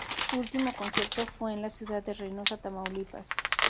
Su último concierto fue en la ciudad de Reynosa, Tamaulipas.